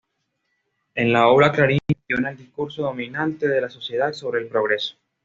En la obra Clarín cuestiona el discurso dominante de la sociedad sobre el progreso.